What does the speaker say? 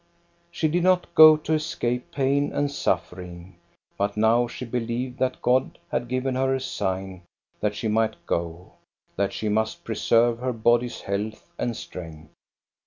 She did not go to escape pain and suffering. But now she believed that God had given her a sign that she might go, that she must preserve her body's health and strength.